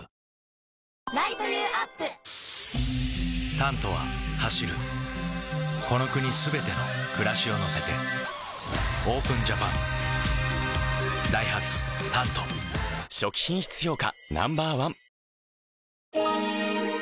「タント」は走るこの国すべての暮らしを乗せてＯＰＥＮＪＡＰＡＮダイハツ「タント」初期品質評価ＮＯ．１